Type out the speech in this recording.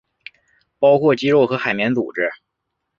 包括肌肉和海绵组织。